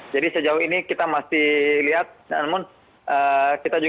jadi sejauh ini kita masih lihat namun kita juga masih ketahui